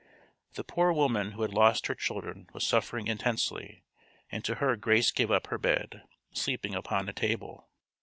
The poor woman who had lost her children was suffering intensely, and to her Grace gave up her bed, sleeping upon a table.